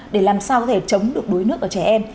để làm sao có thể chống được đuối nước ở trẻ em